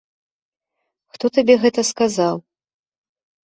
Хто табе гэта сказаў?